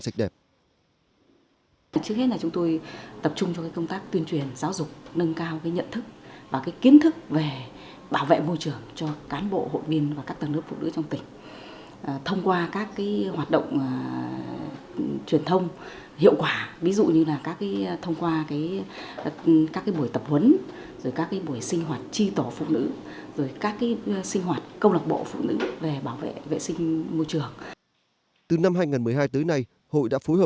trước hết là chúng tôi tập trung cho công tác tuyên truyền giáo dục nâng cao nhận thức và kiến thức về bảo vệ môi trường cho cán bộ hội viên phụ nữ tích cực tham gia bảo vệ môi trường cho cán bộ hội viên phụ nữ tích cực tham gia bảo vệ môi trường cho cán bộ